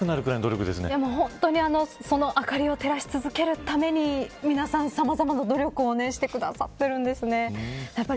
本当に明かりを照らし続けるために皆さん、さまざまな努力をしてくださってるんですね。